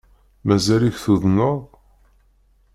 Mazal-ik tuḍneḍ?